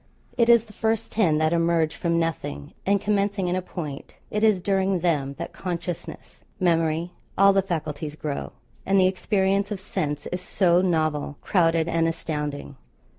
It is the first ten that emerge from nothing, and commencing in a point, it is during them that consciousness, memory all the faculties grow, and the experience of sense is so novel, crowded, and astounding.